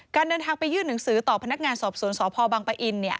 เดินทางไปยื่นหนังสือต่อพนักงานสอบสวนสพบังปะอิน